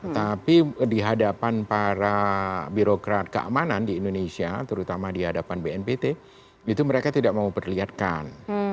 tapi di hadapan para birokrat keamanan di indonesia terutama di hadapan bnpt itu mereka tidak mau perlihatkan